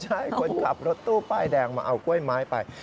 ใช่คนขับรถตู้ป้ายแดงมาเอากล้วยไม้ไป